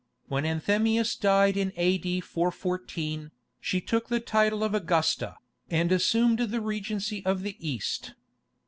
When Anthemius died in A.D. 414, she took the title of Augusta, and assumed the regency of the East.